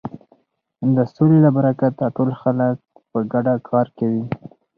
د سولې له برکته ټول خلک په ګډه کار کوي.